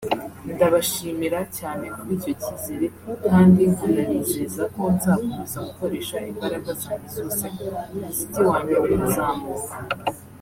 ndabashimira cyane kuri icyo cyizere kandi nkanabizeza ko nzakomeza gukoresha imbaraga zanjye zose umuziki wanjye ukazamuka